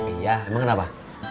iya emang kenapa